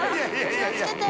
気を付けて。